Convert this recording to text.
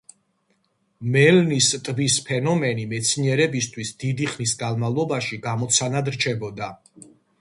მელნის ტბის ფენომენი მეცნიერებისთვის დიდი ხნის განმავლობაში გამოცანად რჩებოდა.